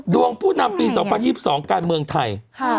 ผู้นำปี๒๐๒๒การเมืองไทย